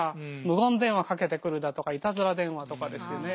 無言電話かけてくるだとかいたずら電話とかですよね。